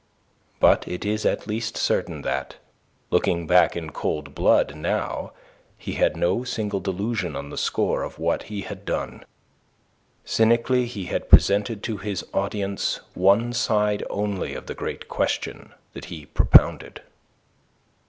But it is at least certain that, looking back in cold blood now, he had no single delusion on the score of what he had done. Cynically he had presented to his audience one side only of the great question that he propounded.